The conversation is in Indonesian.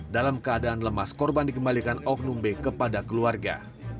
dalam keadaan lemas korban dikembalikan oknum b kepada keluarga